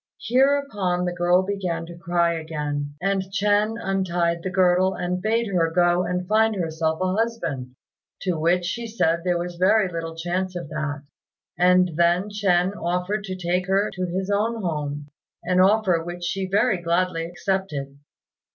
Hereupon the girl began crying again, and Ch'ên untied the girdle and bade her go and find herself a husband; to which she said there was very little chance of that; and then Ch'ên offered to take her to his own home an offer which she very gladly accepted.